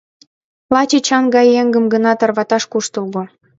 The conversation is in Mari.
Лач Эчан гай еҥым гына тарваташ куштылго.